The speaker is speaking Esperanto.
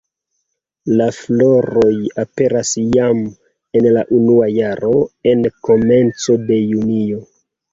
La floroj aperas jam en la unua jaro en komenco de junio.